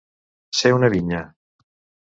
Ser una vinya.